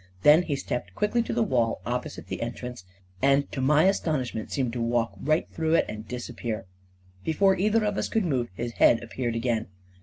Then he stepped quickly to the wall opposite the entrance, and to my astonish ment seemed to walk right through it and disap pear. Before either of us could move, his head appeared again.